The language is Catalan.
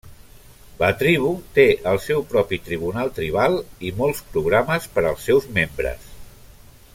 La tribu té el seu propi tribunal tribal i molts programes per als seus membres.